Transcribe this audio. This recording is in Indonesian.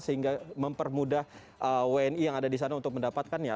sehingga mempermudah wni yang ada di sana untuk mendapatkannya